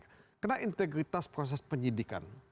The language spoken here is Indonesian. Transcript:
karena integritas proses penyidikan